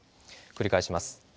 繰り返します。